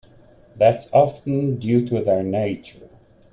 That's often due to their nature.